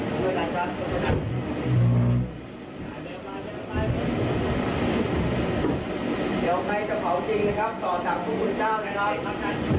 ครอบครัวไม่ได้อาฆาตแต่มองว่ามันช้าเกินไปแล้วที่จะมาแสดงความรู้สึกในตอนนี้